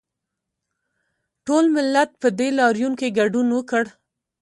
ټول ملت په دې لاریون کې ګډون وکړ